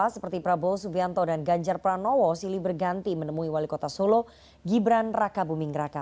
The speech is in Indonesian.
seperti prabowo subianto dan ganjar pranowo silih berganti menemui wali kota solo gibran raka buming raka